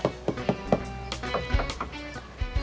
tuk tuk tuk